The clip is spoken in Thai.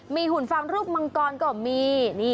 มีหุ่นฟางรูปมังกรก็มี